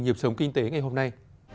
nhịp sống kinh tế ngày hôm nay